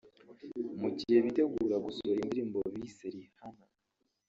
Mu gihe bitegura gusohora indirimbo bise ‘Rihanna’